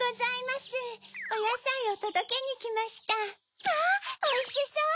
まぁおいしそう！